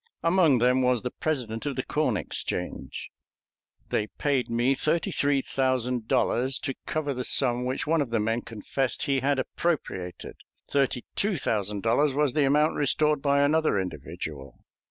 Among them was the president of the Corn Exchange. They paid me thirty three thousand dollars to cover the sum which one of the men confessed he had appropriated; thirty two thousand dollars was the amount restored by another individual.